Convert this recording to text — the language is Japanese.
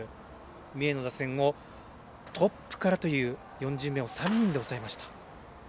三重の打線をトップからという打順を３人で抑えました。